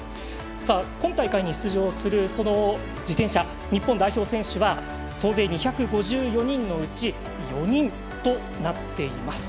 今大会に出場する自転車日本代表選手は総勢２５４人のうち４人となっています。